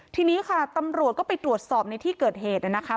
ทีนี้ค่ะตำรวจก็ไปตรวจสอบในที่เกิดเหตุนะคะ